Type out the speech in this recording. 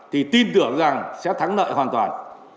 thì tin tưởng rằng sẽ thắng lợi hoàn toàn